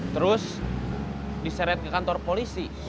terus diseret ke kantor polisi